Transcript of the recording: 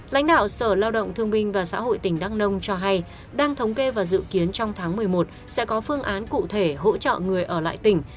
lãnh đạo sở lao động thương bình và xã hội tp hcm cho hay đang thống kê và dự kiến trong tháng một mươi một sẽ có phương án cụ thể hỗ trợ người ở lại tỉnh